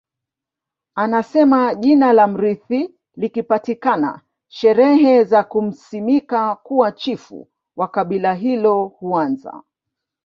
Anasema jina la mrithi likipatikana sherehe za kumsimika kuwa Chifu wa kabila hilo huanza